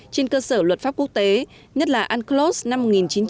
trên cơ sở luật pháp quốc tế nhất là unclos năm một nghìn chín trăm tám mươi hai